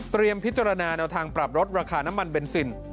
พิจารณาแนวทางปรับลดราคาน้ำมันเบนซิน